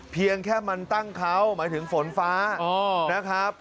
เพียงแค่มันตั้งเขาหมายถึงฝนฟ้านะครับ